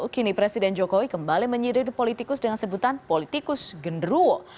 kini presiden jokowi kembali menyidik politikus dengan sebutan politikus genderuo